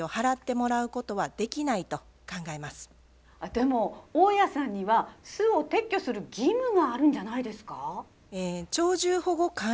でも大家さんには巣を撤去する義務があるんじゃないですか？